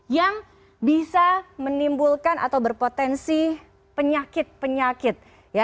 yang bisa menimbulkan atau berpotensi penyakit penyakit